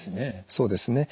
そうですね